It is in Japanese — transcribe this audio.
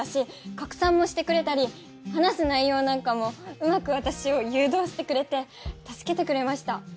拡散もしてくれたり話す内容なんかもうまく私を誘導してくれて助けてくれました。